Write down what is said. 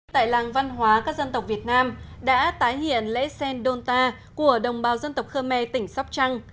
tại làng văn hóa các dân tộc việt nam đã tái hiện lễ sen đôn ta của đồng bào dân tộc khmer tỉnh sóc trăng